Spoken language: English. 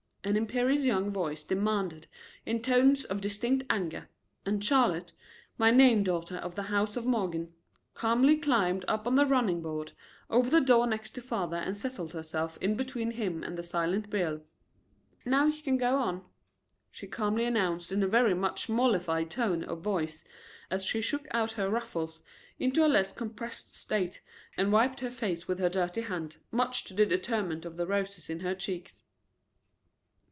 an imperious young voice demanded in tones of distinct anger, and Charlotte, my name daughter of the house of Morgan, calmly climbed up on the running board, over the door next to father, and settled herself in between him and the silent Bill. "Now you can go on," she calmly announced, in a very much mollified tone of voice as she shook out her ruffles into a less compressed state and wiped her face with her dirty hand, much to the detriment of the roses in her cheeks.